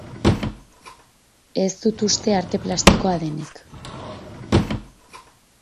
Ez dut uste arte plastikoa denik.